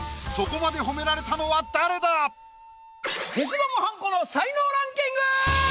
そこまで褒められたのは誰だ⁉消しゴムはんこの才能ランキング！